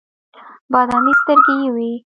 بادامي سترګې یې وې.